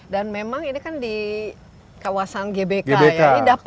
dan memang ini kan di kawasan gbk ya